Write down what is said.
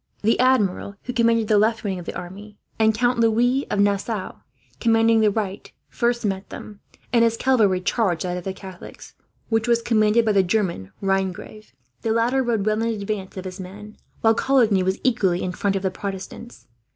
The Admiral, who commanded the left wing of the army Count Louis of Nassau commanding the right first met them, and his cavalry charged that of the Catholics, which was commanded by the German Rhinegrave. The latter rode well in advance of his men, while Coligny was equally in front of the Protestants.